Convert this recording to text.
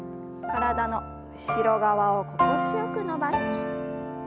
体の後ろ側を心地よく伸ばして。